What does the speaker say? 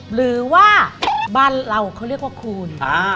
หรือว่าบ้านเราเขาเรียกว่าคูณ